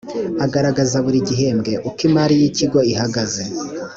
agaragaza buri gihembwe uko imari y’ikigo ihagaze